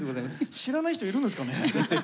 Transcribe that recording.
知らない人いるんですかね？